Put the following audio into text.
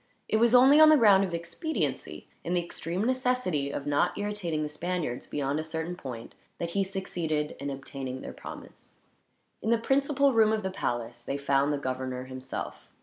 It was only on the ground of expediency, and the extreme necessity of not irritating the Spaniards beyond a certain point, that he succeeded in obtaining their promise. In the principal room of the palace they found the governor, himself.